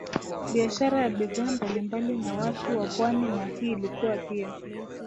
biashara ya bidhaa mbalimbali na watu wa pwani na hii ilikuwa pia